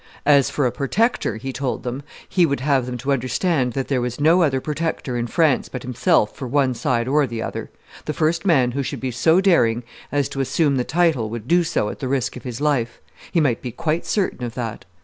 'As for a protector,' he told them, 'he would have them to understand that there was no other protector in France but himself for one side or the other; the first man who should be so daring as to assume the title would do so at the risk of his life; he might be quite certain of that.